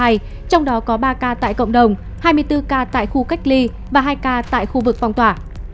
trong đó có ba ca tại cộng đồng hai mươi bốn ca tại khu cách ly và hai ca tại khu vực phong tỏa